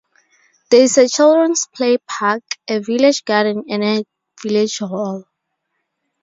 There is a children's play park, a village garden and a village hall.